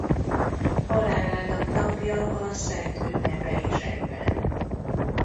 Halálának napja a szent ünnepe is egyben.